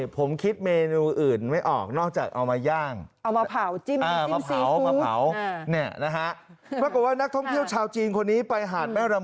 ผมคิดเมนูอื่นไม่ออกนอกจากเอามาย่าง